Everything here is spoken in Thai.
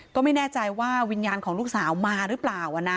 ก็ไม่แน่ใจว่าวิญญาณของลูกสาวมาหรือเปล่า